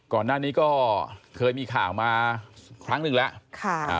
ก่อนหน้านี้ก็เคยมีข่าวมาครั้งหนึ่งแล้ว